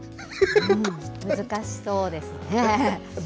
難しそうですね。